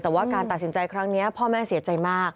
แต่ว่าการตัดสินใจครั้งนี้พ่อแม่เสียใจมาก